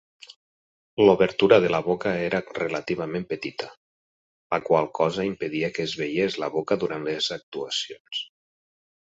L'obertura de la boca era relativament petita, la qual cosa impedia que es veiés la boca durant les actuacions.